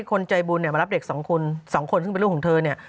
คนใจบุญเนี่ยมารับเด็กสองคนสองคนซึ่งเป็นลูกของเธอเนี่ย